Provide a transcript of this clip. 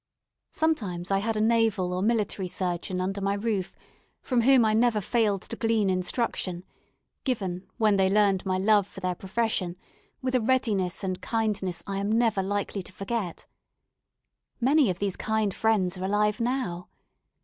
Sometimes I had a naval or military surgeon under my roof, from whom I never failed to glean instruction, given, when they learned my love for their profession, with a readiness and kindness I am never likely to forget. Many of these kind friends are alive now.